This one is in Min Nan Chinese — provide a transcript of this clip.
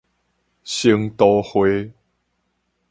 生徒會